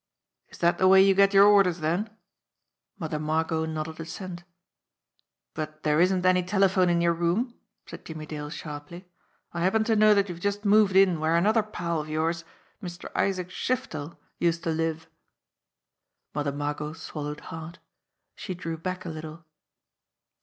"Is that the way you get your orders, then?" Mother Margot nodded assent. "But there isn't any telephone in your room," said Jimmie Dale sharply. "I happen to know that you've just moved in where another pal of yours, Mr. Isaac Shiftel, used to live." 62 JIMMIE DALE AND THE PHANTOM CLUE Mother Margot swallowed hard. She drew back a little.